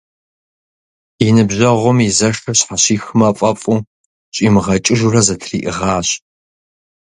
И ныбжьэгъум и зэшыр щхьэщихмэ фӏэфӏу, щӏимыгъэкӏыжурэ зэтриӏыгъащ.